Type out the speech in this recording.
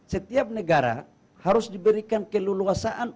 setiap negara harus diberikan keleluasaan